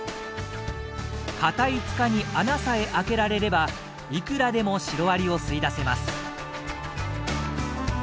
硬い塚に穴さえ開けられればいくらでもシロアリを吸い出せます。